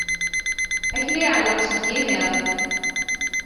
Akli iɛelleq seg imiḍ.